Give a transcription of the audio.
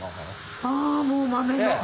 あもう豆の。